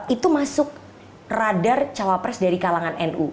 itu masuk radar cawapres dari kalangan nu